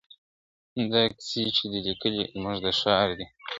دا کیسې چي دي لیکلي زموږ د ښار دي !.